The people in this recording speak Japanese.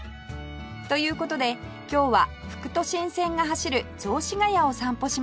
という事で今日は副都心線が走る雑司が谷を散歩します